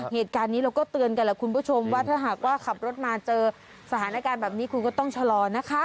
เหตุการณ์นี้เราก็เตือนกันแหละคุณผู้ชมว่าถ้าหากว่าขับรถมาเจอสถานการณ์แบบนี้คุณก็ต้องชะลอนะคะ